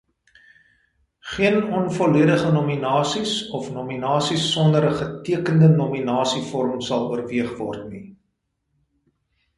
Geen onvolledige nominasies of nominasies sonder 'n getekende nominasievorm sal oorweeg word nie.